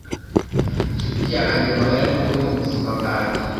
Inshuti yanjye magara niwowe mubuzima bwange